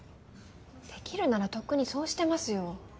出来るならとっくにそうしてますよ。